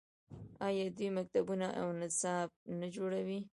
آیا دوی مکتبونه او نصاب نه جوړوي؟